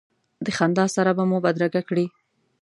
د خندا سره به مو بدرګه کړې.